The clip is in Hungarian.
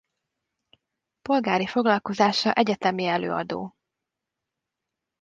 Polgári foglalkozása egyetemi előadó.